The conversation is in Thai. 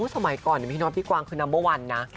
สมัยก่อนพี่น็ตพี่กวางคือนัมเบอร์วันนะ